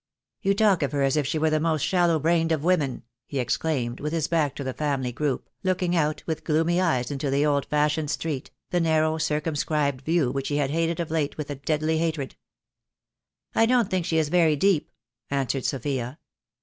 "You talk of her as if she were the most shallow brained of women," he exclaimed, with his back to the family group, looking out with gloomy eyes into the old fashioned street, the narrow circumscribed view which he had hated of late with a deadly hatred. "I don't think she is very deep," answered Sophia.